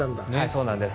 そうなんです。